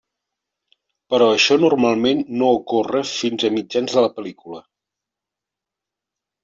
Però això normalment no ocórrer fins a mitjans de la pel·lícula.